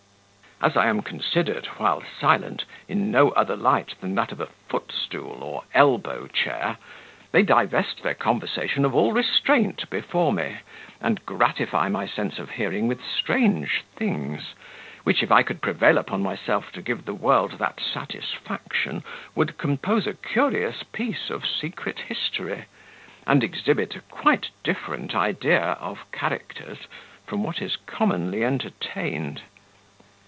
As I am considered, while silent, in no other light than that of a footstool or elbow chair, they divest their conversation of all restraint before me, and gratify my sense of hearing with strange things, which, if I could prevail upon myself to give the world that satisfaction, would compose a curious piece of secret history, and exhibit a quite different idea of characters from what is commonly entertained.